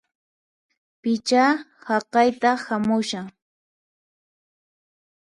Pichá haqayta hamushan!